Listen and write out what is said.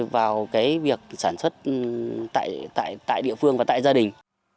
vào cái việc sản xuất tại địa phương và tại gia đình